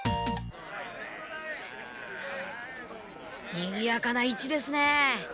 にぎやかな市ですね。